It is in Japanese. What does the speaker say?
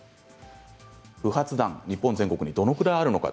不発弾、日本全国にどのぐらいあるのか